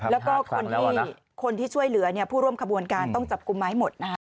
แล้วก็คนที่ช่วยเหลือผู้ร่วมขบวนการต้องจับกลุ่มมาให้หมดนะฮะ